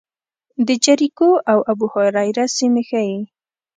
د جریکو او ابوهریره سیمې ښيي.